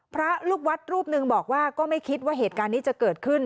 พระลูกวัดรูปหนึ่งบอกว่าก็ไม่คิดว่าเหตุการณ์นี้จะเกิดขึ้น